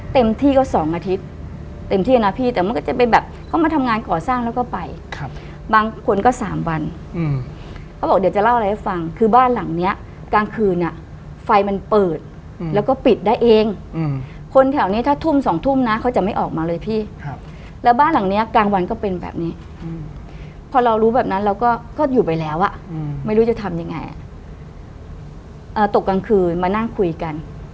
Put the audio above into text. เต็มที่ก็สองอาทิตย์เต็มที่นะพี่แต่มันก็จะเป็นแบบเขามาทำงานก่อสร้างแล้วก็ไปครับบางคนก็สามวันเขาบอกเดี๋ยวจะเล่าอะไรให้ฟังคือบ้านหลังเนี้ยกลางคืนอ่ะไฟมันเปิดแล้วก็ปิดได้เองคนแถวนี้ถ้าทุ่มสองทุ่มนะเขาจะไม่ออกมาเลยพี่แล้วบ้านหลังเนี้ยกลางวันก็เป็นแบบนี้พอเรารู้แบบนั้นเราก็อยู่ไปแล้วอ่ะไม่รู้จะทำยังไงตกกลางคืนมานั่งคุยกัน